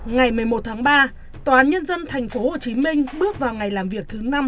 ngày một mươi một tháng ba tòa án nhân dân tp hcm bước vào ngày làm việc thứ năm